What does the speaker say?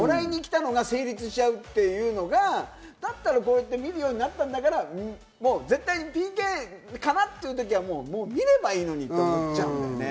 もらいに来たのが成立しちゃうというのが、だったら見るようになったんだから、絶対ＰＫかなって時は見ればいいのにって思っちゃうんだよね。